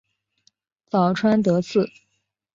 早川德次